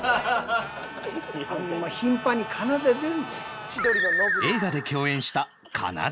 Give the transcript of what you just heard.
あんま頻繁にかなで出んぞ。